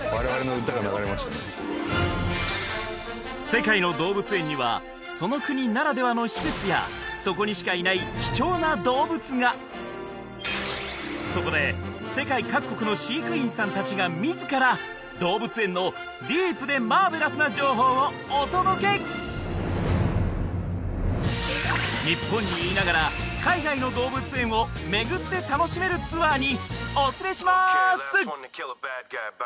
世界の動物園にはその国ならではの施設やそこにしかいない貴重な動物がそこで世界各国の飼育員さんたちが自ら動物園のディープでマーベラスな情報をお届け日本にいながら海外の動物園を巡って楽しめるツアーにお連れしまーす